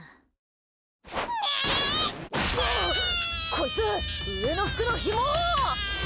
こいつ、上の服のひもを！